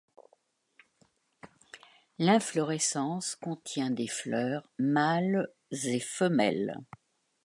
L’inflorescence contient des fleurs mâles et femelles.